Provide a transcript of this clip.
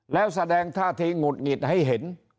แล้วแสดงท่าทีหงุดหงิดให้เห็น